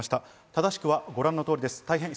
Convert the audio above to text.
正しくはご覧の通りです。